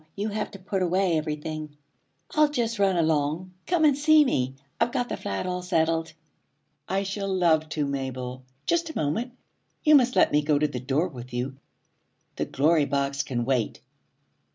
You have to put away everything. I'll just run along. Come and see me. I've got the flat all settled.' 'I shall love to, Mabel. Just a moment! You must let me go to the door with you. The Glory Box can wait.'